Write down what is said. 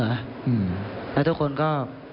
แล้วทุกคนก็